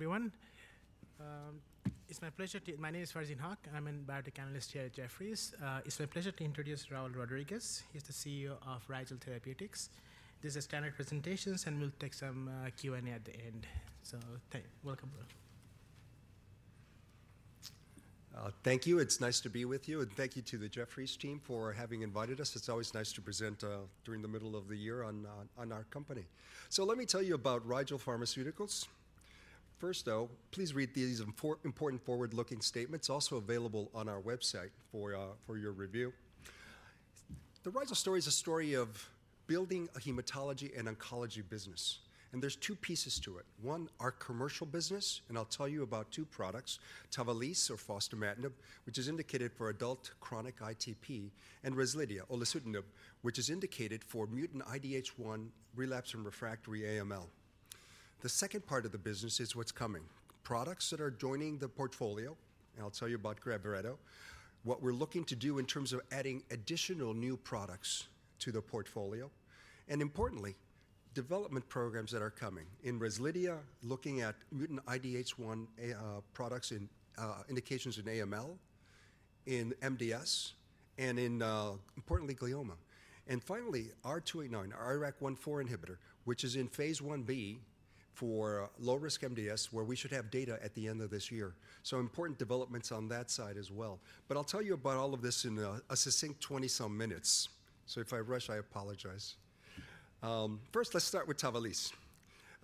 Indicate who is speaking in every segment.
Speaker 1: Morning, everyone. My name is Farzin Haque, and I'm a biotech analyst here at Jefferies. It's my pleasure to introduce Raul Rodriguez. He's the CEO of Rigel Pharmaceuticals. This is standard presentations, and we'll take some Q&A at the end. So, welcome, Raul.
Speaker 2: Thank you. It's nice to be with you, and thank you to the Jefferies team for having invited us. It's always nice to present during the middle of the year on our company. So let me tell you about Rigel Pharmaceuticals. First, though, please read these important forward-looking statements, also available on our website for your review. The Rigel story is a story of building a hematology and oncology business, and there's two pieces to it. One, our commercial business, and I'll tell you about two products, Tavalisse, or fostamatinib, which is indicated for adult chronic ITP, and Rezlidhia, olutasidenib, which is indicated for mutant IDH1 relapse and refractory AML. The second part of the business is what's coming, products that are joining the portfolio, and I'll tell you about Gavreto, what we're looking to do in terms of adding additional new products to the portfolio, and importantly, development programs that are coming. In Rezlidhia, looking at mutant IDH1, products in indications in AML, in MDS, and in, importantly, glioma. And finally, R289, our IRAK1/4 inhibitor, which is in phase Ib for low-risk MDS, where we should have data at the end of this year. So important developments on that side as well. But I'll tell you about all of this in a succinct 20-some minutes, so if I rush, I apologize. First, let's start with Tavalisse.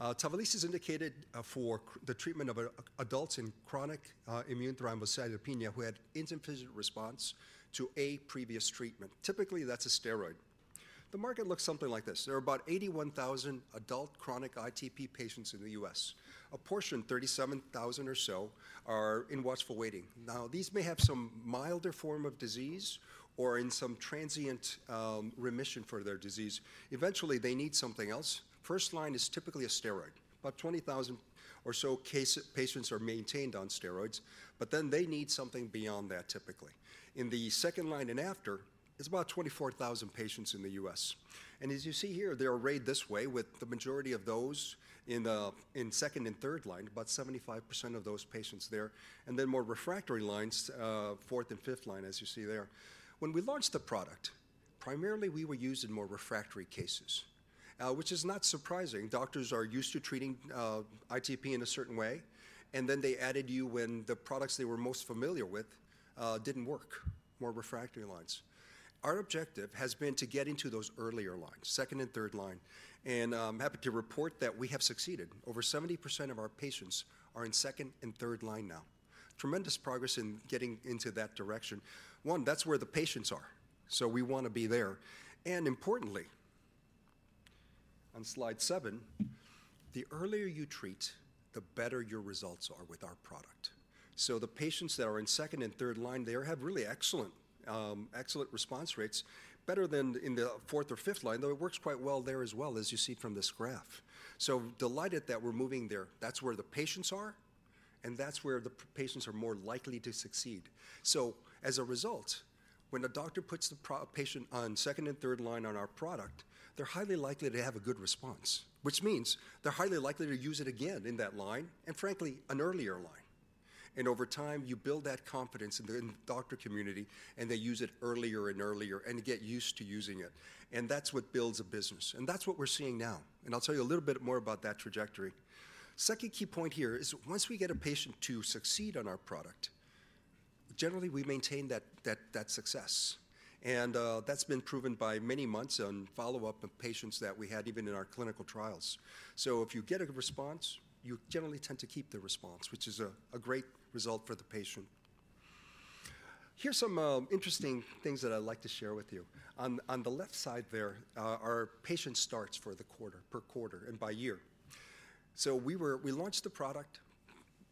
Speaker 2: Tavalisse is indicated for the treatment of adults with chronic immune thrombocytopenia who had insufficient response to a previous treatment. Typically, that's a steroid. The market looks something like this. There are about 81,000 adult chronic ITP patients in the U.S.. A portion, 37,000 or so, are in watchful waiting. Now, these may have some milder form of disease or in some transient remission for their disease. Eventually, they need something else. First line is typically a steroid. About 20,000 or so patients are maintained on steroids, but then they need something beyond that, typically. In the second line and after, it's about 24,000 patients in the U.S.. As you see here, they are arrayed this way, with the majority of those in second and third line, about 75% of those patients there, and then more refractory lines, fourth and fifth line, as you see there. When we launched the product, primarily we were used in more refractory cases, which is not surprising. Doctors are used to treating ITP in a certain way, and then they added you when the products they were most familiar with didn't work, more refractory lines. Our objective has been to get into those earlier lines, second and third line, and I'm happy to report that we have succeeded. Over 70% of our patients are in second and third line now. Tremendous progress in getting into that direction. 1, that's where the patients are, so we want to be there. Importantly, on slide 7, the earlier you treat, the better your results are with our product. So the patients that are in second and third line there have really excellent, excellent response rates, better than in the fourth or fifth line, though it works quite well there as well, as you see from this graph. So delighted that we're moving there. That's where the patients are, and that's where the patients are more likely to succeed. So as a result, when a doctor puts the patient on second and third line on our product, they're highly likely to have a good response, which means they're highly likely to use it again in that line, and frankly, an earlier line. Over time, you build that confidence in the doctor community, and they use it earlier and earlier and get used to using it, and that's what builds a business, and that's what we're seeing now, and I'll tell you a little bit more about that trajectory. Second key point here is once we get a patient to succeed on our product, generally we maintain that success, and that's been proven by many months on follow-up of patients that we had even in our clinical trials. So if you get a good response, you generally tend to keep the response, which is a great result for the patient. Here's some interesting things that I'd like to share with you. On the left side there are patient starts for the quarter, per quarter and by year. So we launched the product.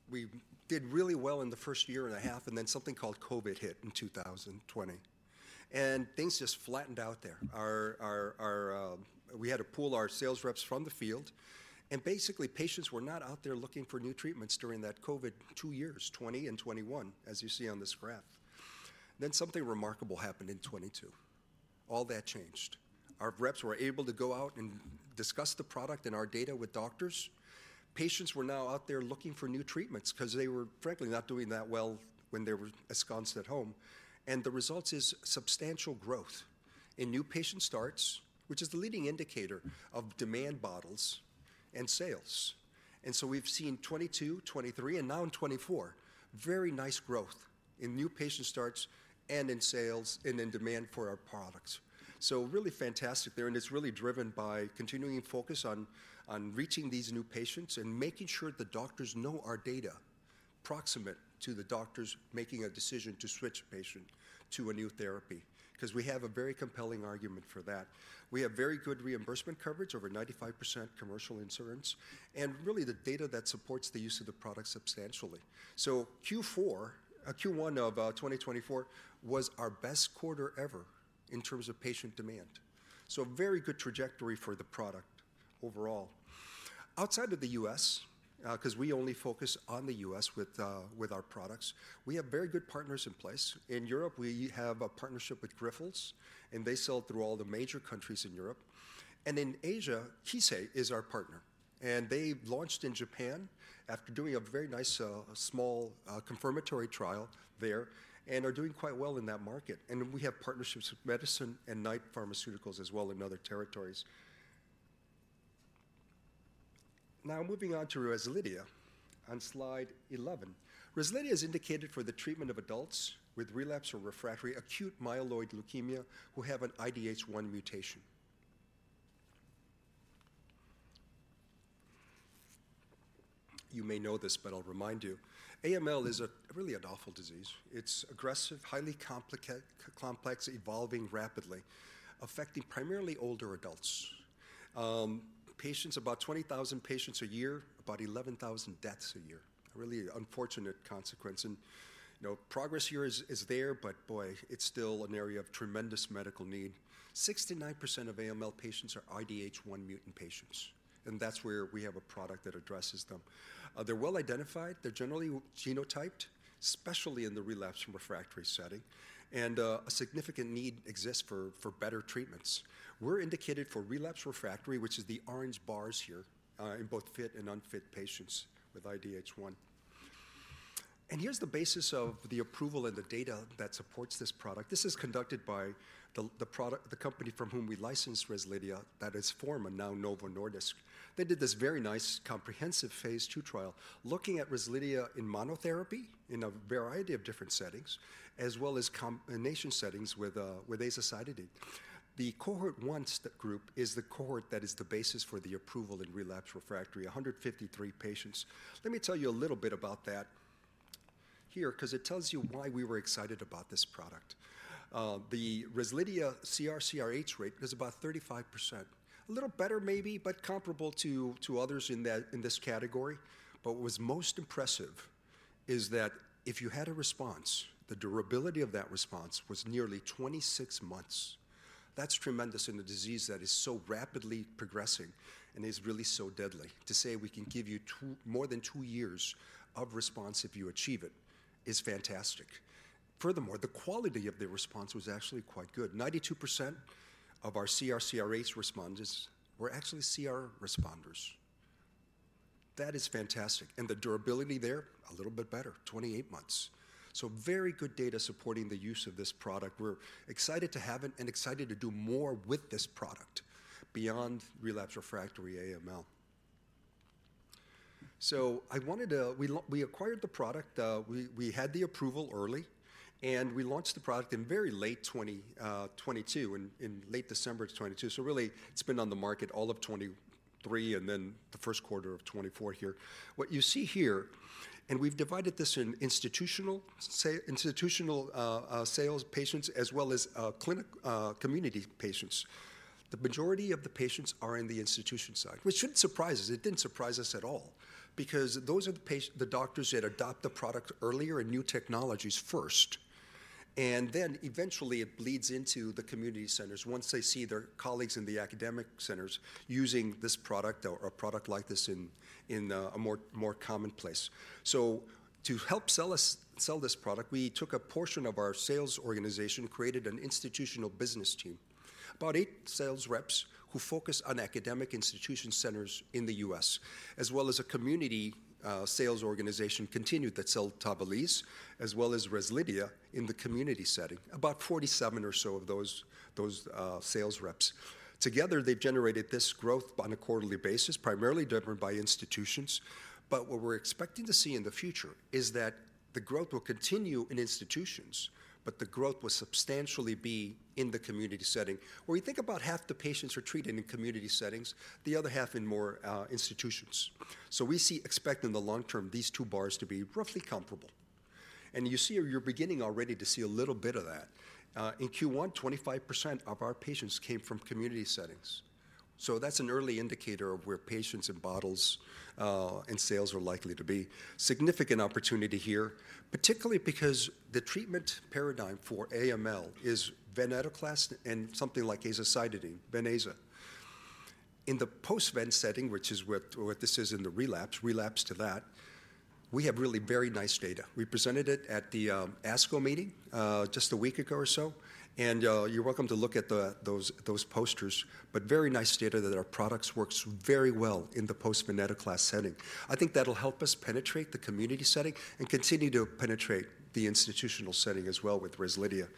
Speaker 2: We did really well in the first year and a half, and then something called COVID hit in 2020, and things just flattened out there. Our. We had to pull our sales reps from the field, and basically, patients were not out there looking for new treatments during that COVID two years, 2020 and 2021, as you see on this graph. Then something remarkable happened in 2022. All that changed. Our reps were able to go out and discuss the product and our data with doctors. Patients were now out there looking for new treatments 'cause they were frankly not doing that well when they were ensconced at home. And the results is substantial growth in new patient starts, which is the leading indicator of demand bottles and sales. And so we've seen 2022, 2023, and now in 2024, very nice growth in new patient starts and in sales and in demand for our products. So really fantastic there, and it's really driven by continuing focus on reaching these new patients and making sure the doctors know our data proximate to the doctors making a decision to switch a patient to a new therapy, 'cause we have a very compelling argument for that. We have very good reimbursement coverage, over 95% commercial insurance, and really the data that supports the use of the product substantially. So Q4, Q1 of 2024 was our best quarter ever in terms of patient demand. So a very good trajectory for the product overall. Outside of the U.S., 'cause we only focus on the U.S. with our products, we have very good partners in place. In Europe, we have a partnership with Grifols, and they sell through all the major countries in Europe. In Asia, Kissei is our partner, and they launched in Japan after doing a very nice small confirmatory trial there, and are doing quite well in that market. We have partnerships with Medison and Knight Pharmaceuticals as well in other territories. Now, moving on to Rezlidhia on slide 11. Rezlidhia is indicated for the treatment of adults with relapsed or refractory acute myeloid leukemia, who have an IDH1 mutation. You may know this, but I'll remind you, AML is really an awful disease. It's aggressive, highly complex, evolving rapidly, affecting primarily older adults. Patients, about 20,000 patients a year, about 11,000 deaths a year. A really unfortunate consequence, and, you know, progress here is there, but boy, it's still an area of tremendous medical need. 69% of AML patients are IDH1 mutant patients, and that's where we have a product that addresses them. They're well-identified, they're generally genotyped, especially in the relapsed and refractory setting, and a significant need exists for better treatments. We're indicated for relapsed refractory, which is the orange bars here, in both fit and unfit patients with IDH1. And here's the basis of the approval and the data that supports this product. This is conducted by the product - the company from whom we licensed Rezlidhia, that is Forma, now Novo Nordisk. They did this very nice, comprehensive phase II trial, looking at Rezlidhia in monotherapy in a variety of different settings, as well as combination settings with azacitidine. The Cohort One group is the cohort that is the basis for the approval in relapsed refractory, 153 patients. Let me tell you a little bit about that here, 'cause it tells you why we were excited about this product. The Rezlidhia CR/CRh rate is about 35%. A little better maybe, but comparable to, to others in the, in this category. But what was most impressive is that if you had a response, the durability of that response was nearly 26 months. That's tremendous in a disease that is so rapidly progressing and is really so deadly. To say we can give you 2—more than 2 years of response if you achieve it, is fantastic. Furthermore, the quality of the response was actually quite good. 92% of our CR/CRh responders were actually CR responders. That is fantastic, and the durability there, a little bit better, 28 months. So very good data supporting the use of this product. We're excited to have it and excited to do more with this product beyond relapsed refractory AML. So I wanted to... We acquired the product, we had the approval early, and we launched the product in very late 2022, in late December of 2022. So really, it's been on the market all of 2023 and then the first quarter of 2024 here. What you see here, and we've divided this in institutional sales patients, as well as clinic community patients. The majority of the patients are in the institution side, which shouldn't surprise us. It didn't surprise us at all because those are the doctors that adopt the product earlier and new technologies first, and then eventually it bleeds into the community centers once they see their colleagues in the academic centers using this product or a product like this in a more commonplace. So to help sell this product, we took a portion of our sales organization, created an institutional business team. About eight sales reps who focus on academic institution centers in the U.S., as well as a community sales organization, continued that sell Tavalisse, as well as Rezlidhia in the community setting, about 47 or so of those sales reps. Together, they've generated this growth on a quarterly basis, primarily driven by institutions. But what we're expecting to see in the future is that the growth will continue in institutions, but the growth will substantially be in the community setting. We think about half the patients are treated in community settings, the other half in more institutions. So we expect in the long term, these two bars to be roughly comparable. And you see, you're beginning already to see a little bit of that. In Q1, 25% of our patients came from community settings. So that's an early indicator of where patients and bottles and sales are likely to be. Significant opportunity here, particularly because the treatment paradigm for AML is venetoclax and something like azacitidine, VenAza. In the post-ven setting, which is what this is in the relapse to that, we have really very nice data. We presented it at the ASCO meeting just a week ago or so, and you're welcome to look at the those posters. But very nice data that our product works very well in the post-venetoclax setting. I think that'll help us penetrate the community setting and continue to penetrate the institutional setting as well with Rezlidhia.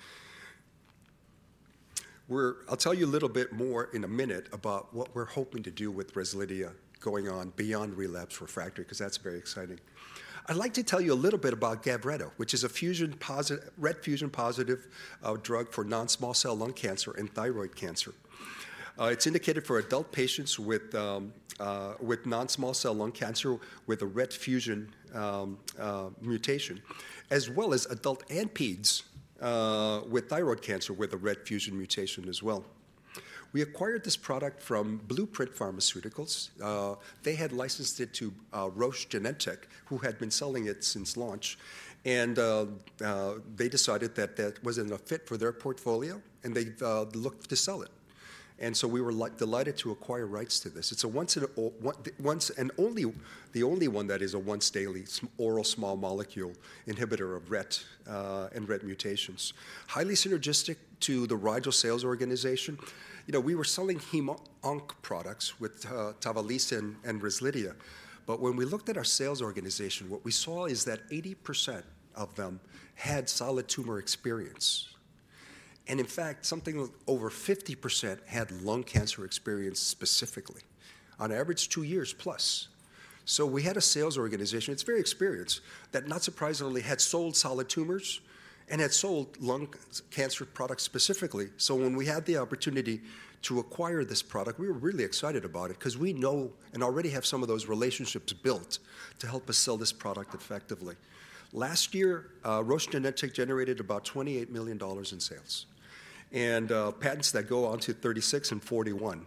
Speaker 2: We're. I'll tell you a little bit more in a minute about what we're hoping to do with Rezlidhia going on beyond relapsed refractory, 'cause that's very exciting. I'd like to tell you a little bit about Gavreto, which is a RET fusion-positive drug for non-small cell lung cancer and thyroid cancer. It's indicated for adult patients with non-small cell lung cancer with a RET fusion mutation, as well as adult and pediatric patients with thyroid cancer with a RET fusion mutation as well. We acquired this product from Blueprint Medicines. They had licensed it to Roche Genentech, who had been selling it since launch, and they decided that that wasn't a fit for their portfolio, and they looked to sell it. So we were like delighted to acquire rights to this. It's a once and only, the only one that is a once daily oral small molecule inhibitor of RET and RET mutations. Highly synergistic to the Rigel sales organization. You know, we were selling hem/onc products with Tavalisse and Rezlidhia, but when we looked at our sales organization, what we saw is that 80% of them had solid tumor experience. And in fact, something over 50% had lung cancer experience specifically, on average, two years plus. So we had a sales organization; it's very experienced, that not surprisingly, had sold solid tumors and had sold lung cancer products specifically. So when we had the opportunity to acquire this product, we were really excited about it 'cause we know and already have some of those relationships built to help us sell this product effectively. Last year, Roche/Genentech generated about $28 million in sales, and patents that go on to 2036 and 2041.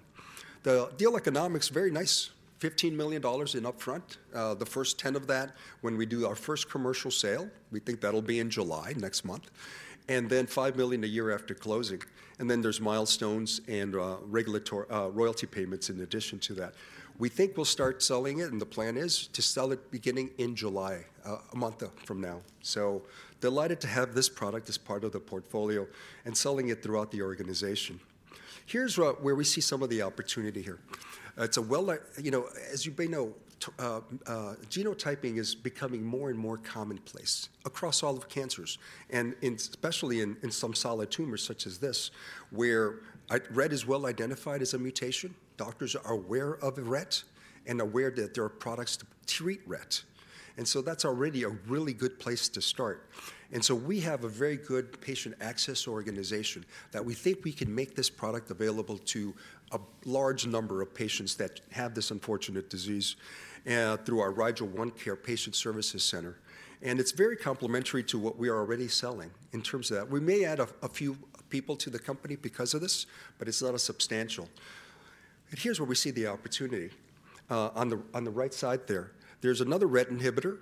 Speaker 2: The deal economics, very nice, $15 million in upfront. The first 10 of that, when we do our first commercial sale, we think that'll be in July, next month, and then $5 million a year after closing. Then there's milestones and regulatory royalty payments in addition to that. We think we'll start selling it, and the plan is to sell it beginning in July, a month from now. So delighted to have this product as part of the portfolio and selling it throughout the organization. Here's where we see some of the opportunity here. It's a well. You know, as you may know, genotyping is becoming more and more commonplace across all of cancers, and especially in some solid tumors, such as this, where RET is well-identified as a mutation. Doctors are aware of the RET and aware that there are products to treat RET. That's already a really good place to start. We have a very good patient access organization that we think we can make this product available to a large number of patients that have this unfortunate disease through our Rigel OneCare Patient Services Center. It's very complementary to what we are already selling in terms of that. We may add a few people to the company because of this, but it's not a substantial. Here's where we see the opportunity. On the right side there, there's another RET inhibitor,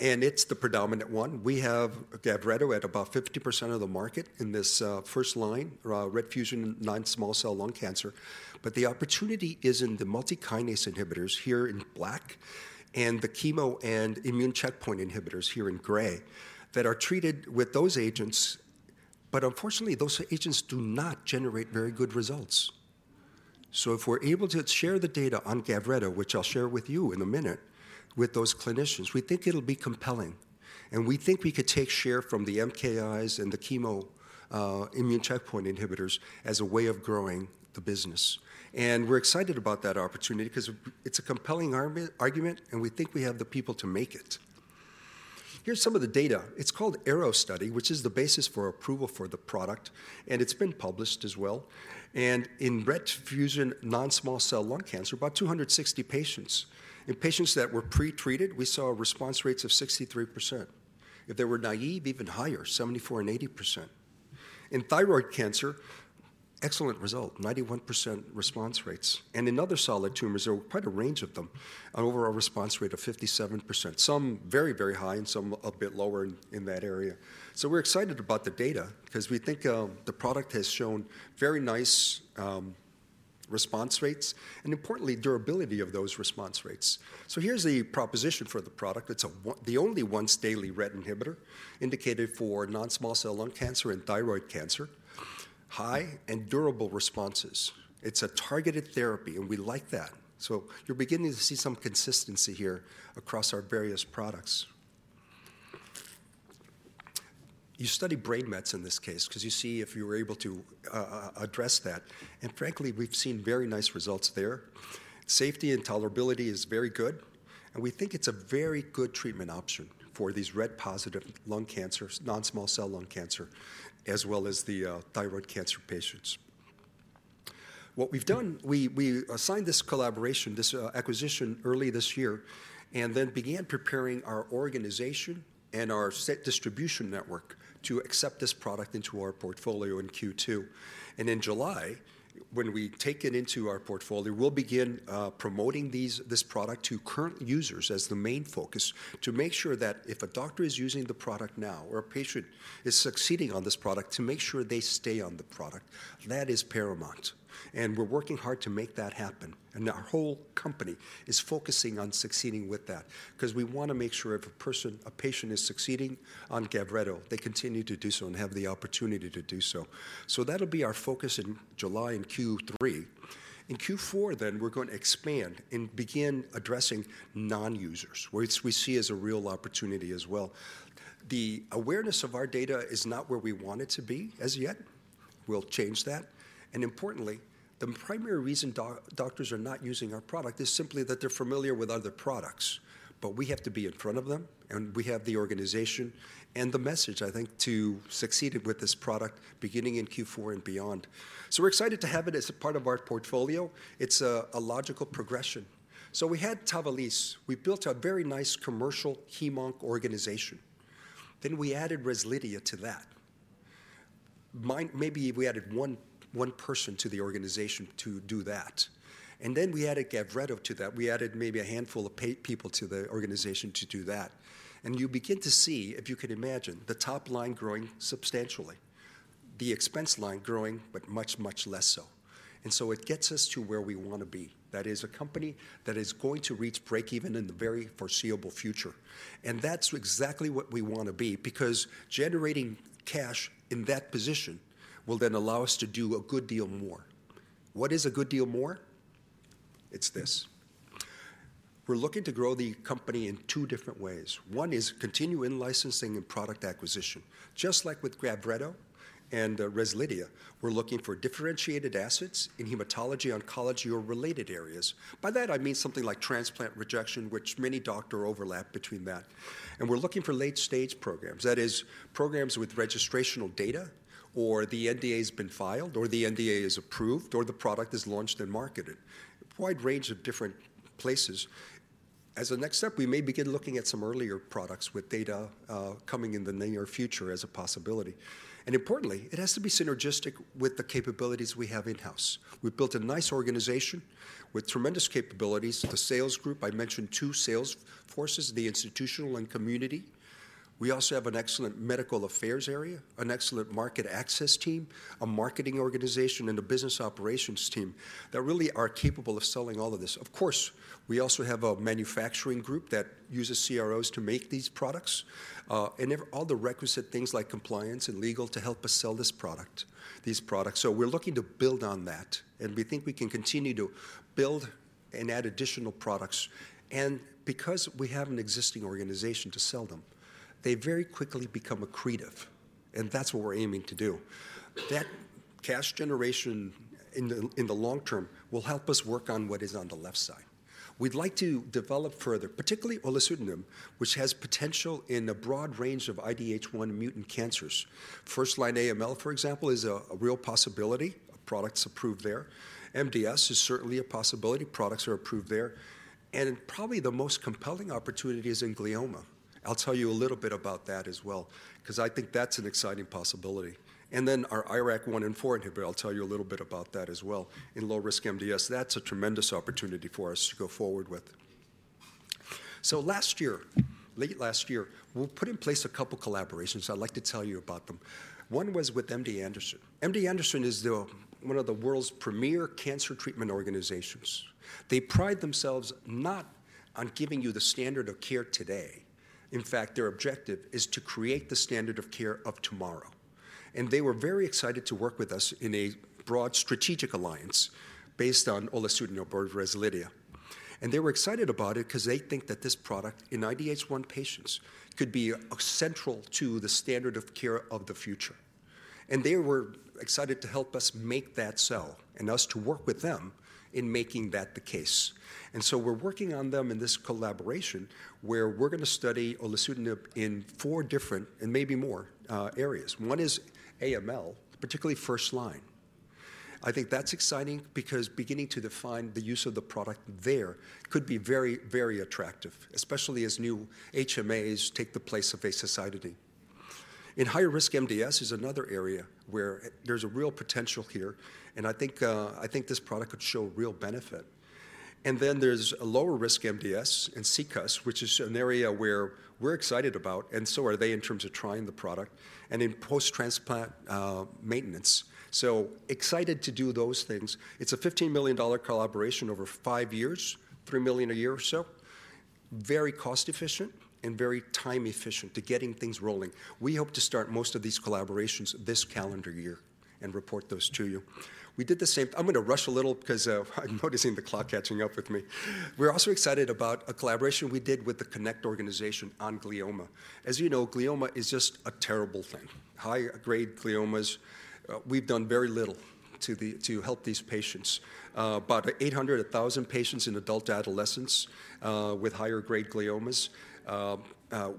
Speaker 2: and it's the predominant one. We have Gavreto at about 50% of the market in this first line RET fusion non-small cell lung cancer. But the opportunity is in the multi-kinase inhibitors here in black and the chemo and immune checkpoint inhibitors here in gray, that are treated with those agents. But unfortunately, those agents do not generate very good results. So if we're able to share the data on Gavreto, which I'll share with you in a minute, with those clinicians, we think it'll be compelling, and we think we could take share from the MKIs and the chemo, immune checkpoint inhibitors as a way of growing the business. And we're excited about that opportunity because it's a compelling argument, and we think we have the people to make it. Here's some of the data. It's called ARROW study, which is the basis for approval for the product, and it's been published as well. And in RET fusion non-small cell lung cancer, about 260 patients. In patients that were pretreated, we saw response rates of 63%. If they were naive, even higher, 74% and 80%. In thyroid cancer, excellent result, 91% response rates. And in other solid tumors, there were quite a range of them, an overall response rate of 57%, some very, very high and some a bit lower in that area. So we're excited about the data because we think the product has shown very nice response rates and importantly, durability of those response rates. So here's the proposition for the product. It's the only once-daily RET inhibitor indicated for non-small cell lung cancer and thyroid cancer, high and durable responses. It's a targeted therapy, and we like that. So you're beginning to see some consistency here across our various products. You study brain mets in this case because you see if you were able to, address that, and frankly, we've seen very nice results there. Safety and tolerability is very good, and we think it's a very good treatment option for these RET-positive lung cancers, non-small cell lung cancer, as well as the, thyroid cancer patients. What we've done, we, we assigned this collaboration, this, acquisition early this year, and then began preparing our organization and our set distribution network to accept this product into our portfolio in Q2. In July, when we take it into our portfolio, we'll begin, promoting these, this product to current users as the main focus, to make sure that if a doctor is using the product now or a patient is succeeding on this product, to make sure they stay on the product. That is paramount, and we're working hard to make that happen. And our whole company is focusing on succeeding with that because we want to make sure if a person, a patient is succeeding on Gavreto, they continue to do so and have the opportunity to do so. So that'll be our focus in July in Q3. In Q4 then, we're going to expand and begin addressing non-users, which we see as a real opportunity as well. The awareness of our data is not where we want it to be as yet. We'll change that. And importantly, the primary reason doctors are not using our product is simply that they're familiar with other products. But we have to be in front of them, and we have the organization and the message, I think, to succeed with this product, beginning in Q4 and beyond. So we're excited to have it as a part of our portfolio. It's a logical progression. So we had Tavalisse. We built a very nice commercial hemonc organization. Then we added Rezlidhia to that. Maybe we added one person to the organization to do that. And then we added Gavreto to that. We added maybe a handful of people to the organization to do that. And you begin to see, if you can imagine, the top line growing substantially, the expense line growing, but much, much less so. And so it gets us to where we want to be. That is a company that is going to reach break even in the very foreseeable future. And that's exactly what we want to be, because generating cash in that position will then allow us to do a good deal more. What is a good deal more? We're looking to grow the company in two different ways. One is continue in licensing and product acquisition. Just like with Gavreto and Rezlidhia, we're looking for differentiated assets in hematology, oncology, or related areas. By that, I mean something like transplant rejection, which many doctors overlap between that. And we're looking for late-stage programs. That is, programs with registrational data, or the NDA has been filed, or the NDA is approved, or the product is launched and marketed. A wide range of different places. As a next step, we may begin looking at some earlier products with data coming in the near future as a possibility. And importantly, it has to be synergistic with the capabilities we have in-house. We've built a nice organization with tremendous capabilities. The sales group, I mentioned two sales forces, the institutional and community. We also have an excellent medical affairs area, an excellent market access team, a marketing organization, and a business operations team that really are capable of selling all of this. Of course, we also have a manufacturing group that uses CROs to make these products, and they've all the requisite things like compliance and legal to help us sell this product, these products. So we're looking to build on that, and we think we can continue to build and add additional products. And because we have an existing organization to sell them, they very quickly become accretive, and that's what we're aiming to do. That cash generation in the long term will help us work on what is on the left side. We'd like to develop further, particularly olutasidenib, which has potential in a broad range of IDH1 mutant cancers. First-line AML, for example, is a real possibility; a product's approved there. MDS is certainly a possibility; products are approved there. And probably the most compelling opportunity is in glioma. I'll tell you a little bit about that as well, 'cause I think that's an exciting possibility. And then our IRAK1 and 4 inhibitor, I'll tell you a little bit about that as well. In low-risk MDS, that's a tremendous opportunity for us to go forward with. So last year, late last year, we put in place a couple collaborations. I'd like to tell you about them. One was with MD Anderson. MD Anderson is the one of the world's premier cancer treatment organizations. They pride themselves not on giving you the standard of care today. In fact, their objective is to create the standard of care of tomorrow. They were very excited to work with us in a broad strategic alliance based on olutasidenib or Rezlidhia. And they were excited about it 'cause they think that this product, in IDH1 patients, could be central to the standard of care of the future. And they were excited to help us make that sell and us to work with them in making that the case. And so we're working on them in this collaboration, where we're gonna study olutasidenib in four different, and maybe more, areas. One is AML, particularly first line. I think that's exciting because beginning to define the use of the product there could be very, very attractive, especially as new HMAs take the place of azacitidine. In higher-risk MDS is another area where there's a real potential here, and I think this product could show real benefit. Then there's a lower-risk MDS and CCUS, which is an area where we're excited about, and so are they, in terms of trying the product, and in post-transplant maintenance. So excited to do those things. It's a $15 million collaboration over 5 years, $3 million a year or so. Very cost efficient and very time efficient to getting things rolling. We hope to start most of these collaborations this calendar year and report those to you. We did the same—I'm gonna rush a little because I'm noticing the clock catching up with me. We're also excited about a collaboration we did with the CONNECT organization on glioma. As you know, glioma is just a terrible thing. High-grade gliomas, we've done very little to help these patients. About 800, 1,000 patients in adult adolescence, with higher-grade gliomas,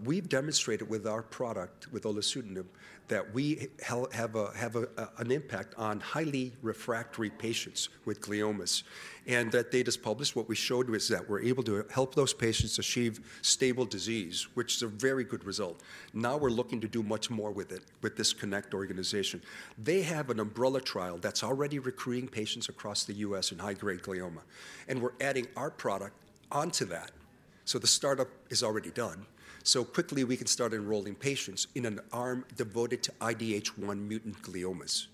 Speaker 2: we've demonstrated with our product, with olutasidenib, that we have an impact on highly refractory patients with gliomas, and that data's published. What we showed was that we're able to help those patients achieve stable disease, which is a very good result. Now, we're looking to do much more with it, with this CONNECT organization. They have an umbrella trial that's already recruiting patients across the U.S. in high-grade glioma, and we're adding our product onto that. So the startup is already done. So quickly, we can start enrolling patients in an arm devoted to IDH1 mutant gliomas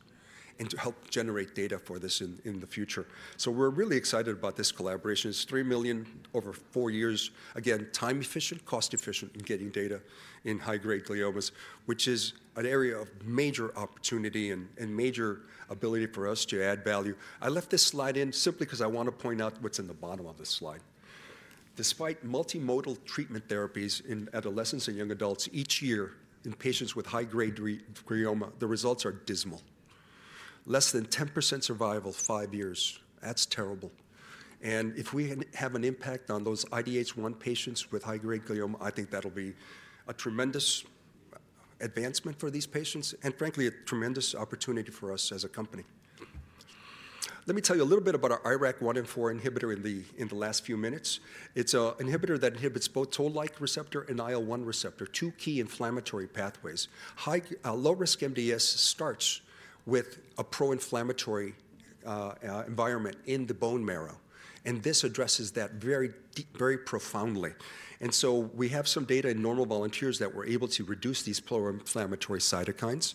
Speaker 2: and to help generate data for this in the future. So we're really excited about this collaboration. It's $3 million over four years. Again, time efficient, cost efficient in getting data in high-grade gliomas, which is an area of major opportunity and, and major ability for us to add value. I left this slide in simply 'cause I want to point out what's in the bottom of this slide. Despite multimodal treatment therapies in adolescents and young adults, each year in patients with high-grade glioma, the results are dismal. Less than 10% survival five years, that's terrible. And if we have an impact on those IDH1 patients with high-grade glioma, I think that'll be a tremendous advancement for these patients and frankly, a tremendous opportunity for us as a company. Let me tell you a little bit about our IRAK1 and 4 inhibitor in the last few minutes. It's a inhibitor that inhibits both toll-like receptor and IL-1 receptor, two key inflammatory pathways. Low-risk MDS starts with a pro-inflammatory environment in the bone marrow, and this addresses that very deep, very profoundly. So we have some data in normal volunteers that we're able to reduce these pro-inflammatory cytokines,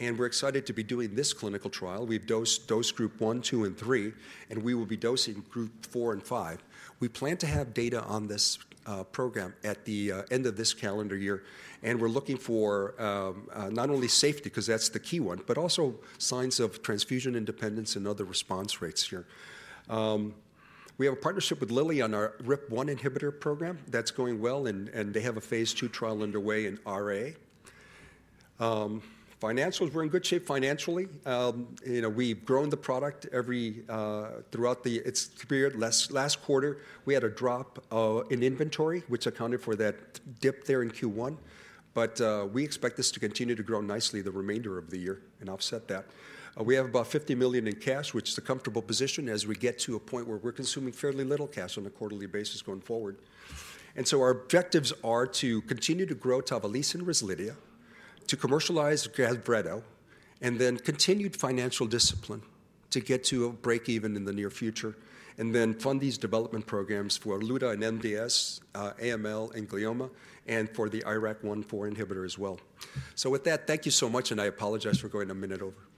Speaker 2: and we're excited to be doing this clinical trial. We've dosed dose group 1, 2, and 3, and we will be dosing group 4 and 5. We plan to have data on this program at the end of this calendar year, and we're looking for not only safety, 'cause that's the key one, but also signs of transfusion independence and other response rates here. We have a partnership with Lilly on our RIP1 inhibitor program. That's going well, and they have a phase II trial underway in RA. Financials, we're in good shape financially. You know, we've grown the product every throughout its period. Last quarter, we had a drop in inventory, which accounted for that dip there in Q1, but we expect this to continue to grow nicely the remainder of the year and offset that. We have about $50 million in cash, which is a comfortable position as we get to a point where we're consuming fairly little cash on a quarterly basis going forward. Our objectives are to continue to grow Tavalisse and Rezlidhia, to commercialize Gavreto, and then continued financial discipline to get to a break-even in the near future, and then fund these development programs for Oluta and MDS, AML and glioma, and for the IRAK1/4 inhibitor as well. With that, thank you so much, and I apologize for going a minute over.